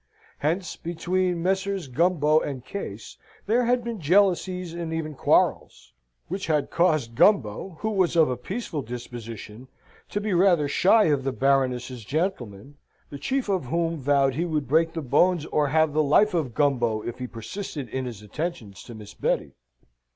Hence, between Messrs. Gumbo and Case, there had been jealousies and even quarrels; which had caused Gumbo, who was of a peaceful disposition, to be rather shy of the Baroness's gentlemen, the chief of whom vowed he would break the bones, or have the life of Gumbo, if he persisted in his attentions to Mrs. Betty.